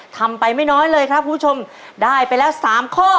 ทำไปไม่น้อยเลยครับคุณผู้ชมได้ไปแล้ว๓ข้อ